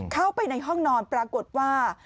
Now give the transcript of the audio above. เข้าไปในห้องนอนปรากฏว่า